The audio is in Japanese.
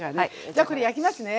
じゃこれ焼きますね。